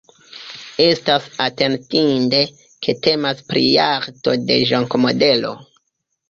Estas atentinde, ke temas pri jaĥto de Ĵonko-modelo.